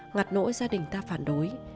ngặt nỗi gia đình ta phản đối